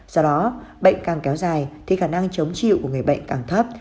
do đó bệnh càng kéo dài thì khả năng chống chịu của người bệnh càng thấp